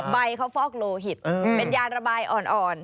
ใบเขาฟอกโลหิตเป็นยาระบายอ่อน